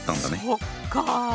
そっか。